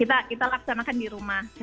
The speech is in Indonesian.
kita laksanakan di rumah